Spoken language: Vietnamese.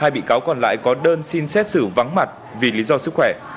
hai bị cáo còn lại có đơn xin xét xử vắng mặt vì lý do sức khỏe